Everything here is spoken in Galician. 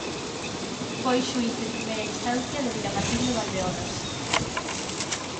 Foi xuíz de primeira instancia de Vilamartín de Valdeorras.